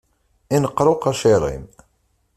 Inqer uqacir-im.